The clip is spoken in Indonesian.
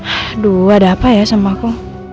aduh ada apa ya sama aku